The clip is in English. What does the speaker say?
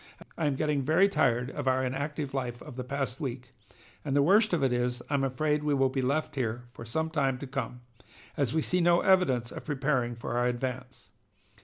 I am getting very tired of our inactive life of the past week, and the worst of it is I'm afraid we will be left here for some time to come, as we see no evidence of preparing for our advance.